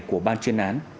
của bàn chuyên án